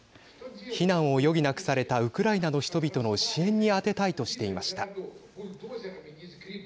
避難を余儀なくされたウクライナの人々の支援に充てたいとしていました。